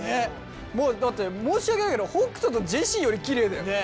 もうだって申し訳ないけど北斗とジェシーよりきれいだよ。ね。